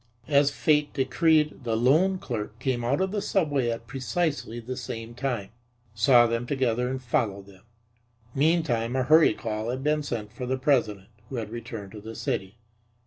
As Fate decreed, the loan clerk came out of the subway at precisely the same time, saw them together and followed them. Meantime a hurry call had been sent for the president, who had returned to the city.